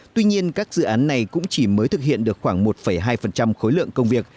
tuy nhiên các dự án này cũng chỉ mới thực hiện được khoảng một hai khối lượng công việc